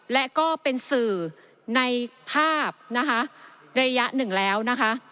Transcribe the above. และก็เป็นสื่อในภาพนะคะระยะหนึ่งแล้วนะคะ